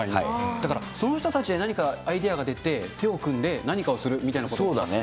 だからその人たちに何かアイデアが出て、手を組んで、何かをするみたいな。